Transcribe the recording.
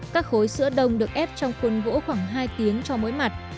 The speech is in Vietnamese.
các khối sữa đồng được ép trong khuôn gỗ khoảng hai tiếng cho mỗi mặt